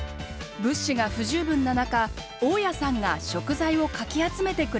物資が不十分な中大家さんが食材をかき集めてくれました。